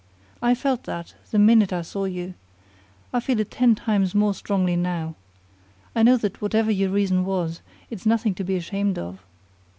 I felt that, the minute I saw you. I feel it ten times more strongly now. I know that whatever your reason was, it's nothing to be ashamed of."